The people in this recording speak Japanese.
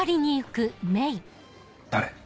誰？